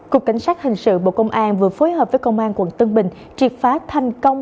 cục cảnh sát hình sự bộ công an vừa phối hợp với công an quận tân bình triệt phá thành công